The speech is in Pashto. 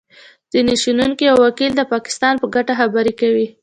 ځینې شنونکي او وکیل د پاکستان په ګټه خبرې کوي